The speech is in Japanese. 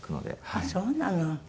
あっそうなの。